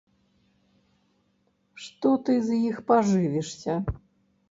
Што ты з іх пажывішся?